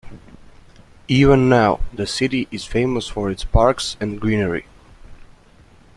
Even now the city is famous for its parks and greenery.